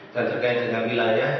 dan terkait dengan wilayah